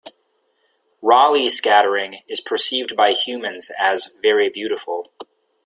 Raleigh scattering is perceived by humans as very beautiful.